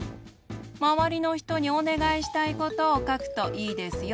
まわりのひとにおねがいしたいことをかくといいですよ。